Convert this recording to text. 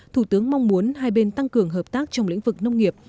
thủ tướng mong muốn hai bên tăng cường hợp tác trong lĩnh vực nông nghiệp